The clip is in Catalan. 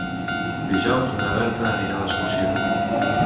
Dijous na Berta anirà d'excursió.